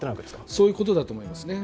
そういうことだと思いますね。